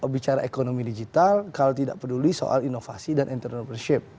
bicara ekonomi digital kalau tidak peduli soal inovasi dan entrepreneurship